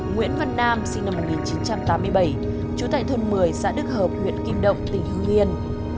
nguyễn văn nam sinh năm một nghìn chín trăm tám mươi bảy trú tại thôn một mươi xã đức hợp huyện kim động tỉnh hương yên